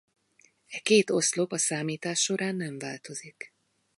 E két oszlop a számítás során nem változik.